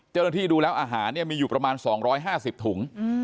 เจ้าหน้าที่ดูแล้วอาหารมีอยู่ประมาณ๒๕๐ถุง